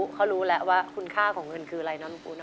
เขารู้แล้วว่าคุณค่าของเงินคืออะไรนะลุงปุ๊